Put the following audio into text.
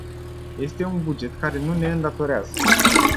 Este un buget care nu ne îndatorează.